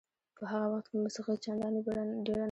په هغه وخت کې موسیقي چندانې ډېره نه وه.